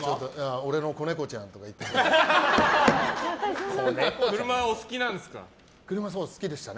俺の子猫ちゃんとかね。